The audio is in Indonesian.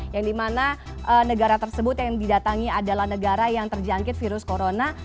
yang dimana negara tersebut yang didatangi adalah negara yang terjangkit virus corona